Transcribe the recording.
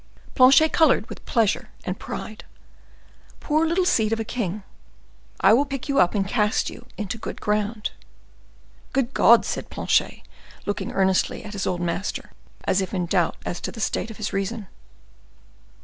Planchet colored with pleasure and pride. "'Poor little seed of a king! I will pick you up and cast you into good ground.'" "Good God!" said Planchet, looking earnestly at his old master, as if in doubt as to the state of his reason.